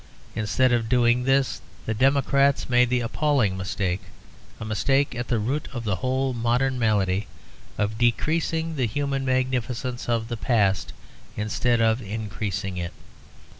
Instead of doing this, the democrats made the appalling mistake a mistake at the root of the whole modern malady of decreasing the human magnificence of the past instead of increasing it.